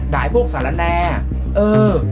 ด่ายพวกสารแนอ่ะเออ